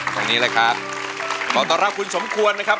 ตรงนี้แหละครับขอต้อนรับคุณสมควรนะครับ